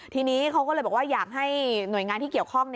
ทีนี้เขาก็เลยบอกว่าอยากให้หน่วยงานที่เกี่ยวข้อง